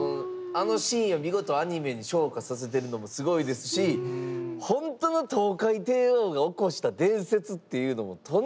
あのシーンを見事アニメに昇華させてるのもすごいですしほんとのトウカイテイオーが起こした伝説っていうのもとんでもないね！